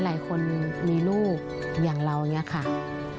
หลายคนมีลูกอย่างเราอย่างนี้ค่ะ